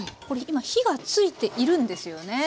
これ今火がついているんですよね。